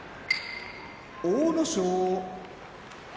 阿武咲